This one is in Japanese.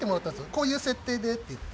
こういう設定でっていって。